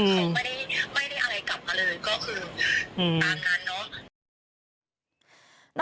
เขาไม่ได้อะไรกลับมาเลยก็คือตามนั้นเนาะ